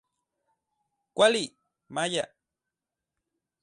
Kuali, maya.